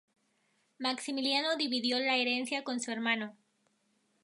Maximiliano dividió la herencia con su hermano.